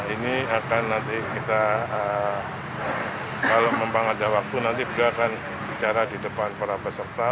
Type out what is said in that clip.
ini akan nanti kita kalau memang ada waktu nanti beliau akan bicara di depan para peserta